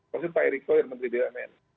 maksud pak erick soe yang menteri bnm